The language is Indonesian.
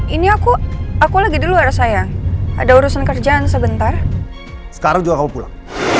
ini aku aku lagi di luar sayang ada urusan kerjaan sebentar sekarang juga aku pulang